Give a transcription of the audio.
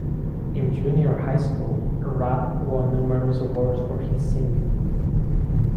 In junior high school, Rapp won numerous awards for his singing.